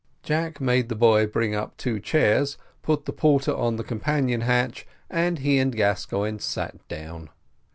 Jack made the boy bring up two chairs, put the porter on the companion hatch, and he and Gascoigne sat down.